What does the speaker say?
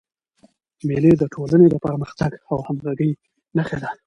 مېلې د ټولني د پرمختګ او همږغۍ نخښه ده.